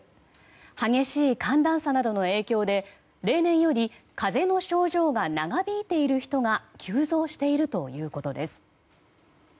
激しい寒暖差などの影響で例年より風邪の症状が長引いている人が急増しているということです。